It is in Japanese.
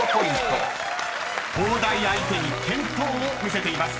［東大相手に健闘を見せています］